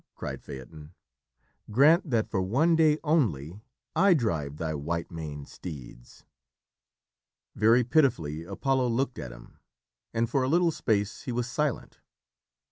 cried Phaeton. "Grant that for one day only I drive thy white maned steeds!" Very pitifully Apollo looked at him, and for a little space he was silent.